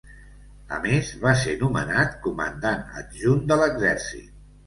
A més, va ser nomenat Comandant Adjunt de l'Exèrcit.